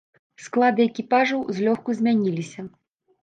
Склады экіпажаў злёгку змяніліся.